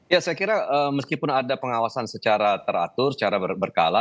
ya saya kira meskipun ada pengawasan secara teratur secara berkala